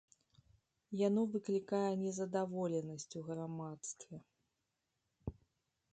Яно выклікае незадаволенасць у грамадстве.